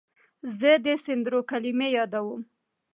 زه د سندرو کلمې یادوم.